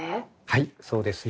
はいそうです。